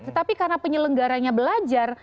tetapi karena penyelenggaranya belajar